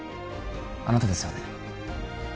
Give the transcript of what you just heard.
あなたですよね？